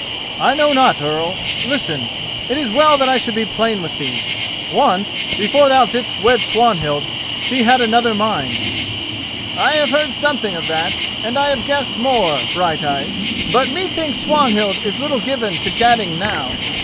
"I know not, Earl. Listen: it is well that I should be plain with thee. Once, before thou didst wed Swanhild, she had another mind." "I have heard something of that, and I have guessed more, Brighteyes; but methinks Swanhild is little given to gadding now.